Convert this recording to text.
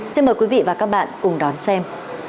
xin mời quý vị và các bạn cùng đón xem